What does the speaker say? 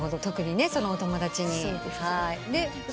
特にそのお友達に。